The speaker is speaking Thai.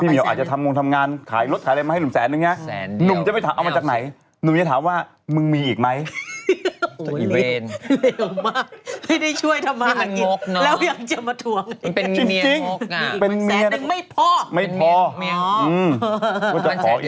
อีเวนเหลวมากให้ได้ช่วยทำงานอีกแล้วยังจะมาถวงมันมีเมียงกมีอีกสันหนึ่งไม่พอ